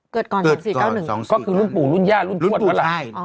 เกิดก่อน๒๔๙๑ก็คือรุ่นปู่รุ่นย่ารุ่นชวดวันละรุ่นปู่ใช่